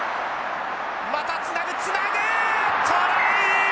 またつなぐつなぐ！トライ！